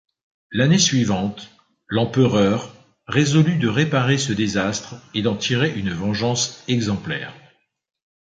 L’année suivante, l’empereur résolut de réparer ce désastre et d’en tirer une vengeance exemplaire.